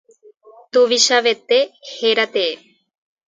Tuvichavete héra tee.